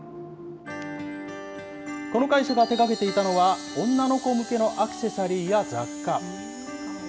この会社が手がけていたのは、女の子向けのアクセサリーや雑貨。